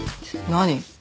何？